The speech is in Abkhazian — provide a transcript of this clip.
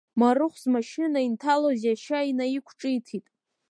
Марыхә змашьына инҭалоз иашьа наиқәҿиҭит.